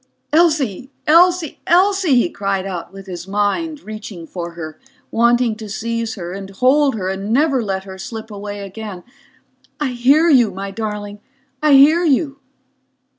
"Elsie, Elsie, Elsie," he cried out with his mind, reaching for her, wanting to seize her and hold her and never let her slip away again. "I hear you, my darling. I hear you!"